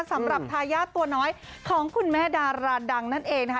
สำหรับทายาทตัวน้อยของคุณแม่ดาราดังนั่นเองนะคะ